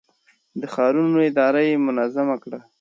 د ښارونو اداره يې منظم کړه.